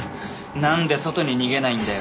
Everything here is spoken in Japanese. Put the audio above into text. なんで外に逃げないんだよ。